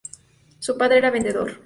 Su padre era vendedor.